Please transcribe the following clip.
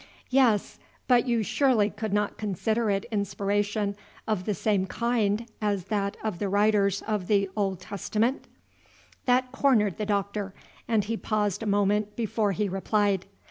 "Yes; but you surely would not consider it inspiration of the same kind as that of the writers of the Old Testament?" That cornered the Doctor, and he paused a moment before he replied.